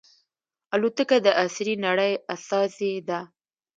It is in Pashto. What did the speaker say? الوتکه د عصري نړۍ استازې ده.